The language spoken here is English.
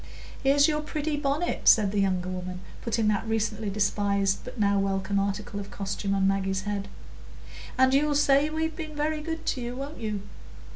"Here's your pretty bonnet," said the younger woman, putting that recently despised but now welcome article of costume on Maggie's head; "and you'll say we've been very good to you, won't you?